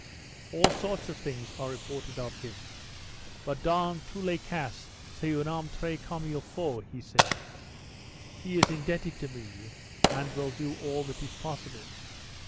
"All sorts of things are reported of him, but dans tous les cas c'est un homme tres comme ii faut," he said. "He is indebted to me, and will do all that is possible."